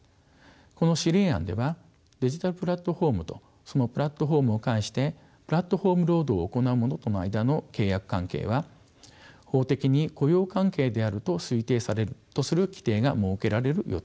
この指令案ではデジタルプラットフォームとそのプラットフォームを介してプラットフォーム労働を行う者との間の契約関係は法的に雇用関係であると推定されるとする規定が設けられる予定です。